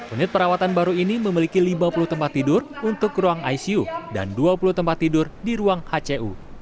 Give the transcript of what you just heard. unit perawatan baru ini memiliki lima puluh tempat tidur untuk ruang icu dan dua puluh tempat tidur di ruang hcu